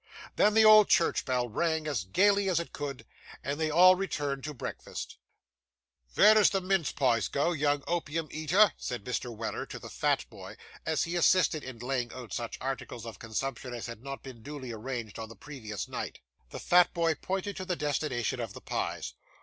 Then, the old church bell rang as gaily as it could, and they all returned to breakfast. 'Vere does the mince pies go, young opium eater?' said Mr. Weller to the fat boy, as he assisted in laying out such articles of consumption as had not been duly arranged on the previous night. The fat boy pointed to the destination of the pies.